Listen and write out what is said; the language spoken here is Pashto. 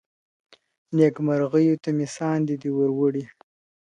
نېكمرغيو ته مي ساندي دي وروړي ,